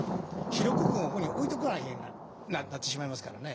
主力軍をここに置いとかなきゃいけなくなってしまいますからね。